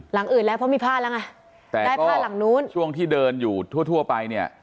หลังอื่นแล้วเพราะมีผ้าแล้วไงแต่ได้ผ้าหลังนู้นช่วงที่เดินอยู่ทั่วทั่วไปเนี่ย